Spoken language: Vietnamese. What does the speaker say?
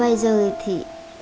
nếu bây giờ thì